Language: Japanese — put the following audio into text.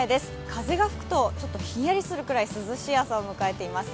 風が吹くとひんやりするくらい涼しい朝を迎えています。